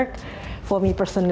klien juga senang